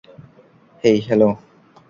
হেই, hello!